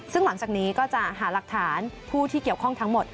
ซึ่งหลังจากนี้ก็จะหาหลักฐานผู้ที่เกี่ยวข้องทั้งหมด